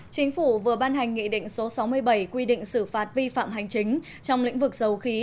chính phủ vừa ban hành nghị định số sáu mươi bảy quy định xử phạt vi phạm hành chính trong lĩnh vực dầu khí